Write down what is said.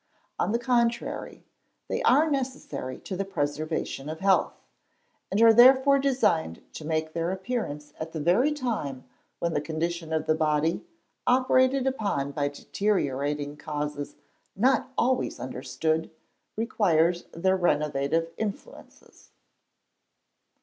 On the contrary, they are necessary to the preservation of health, and are therefore designed to make their appearance at the very time when the condition of the body, operated upon by deteriorating causes not always understood, requires their renovative influences.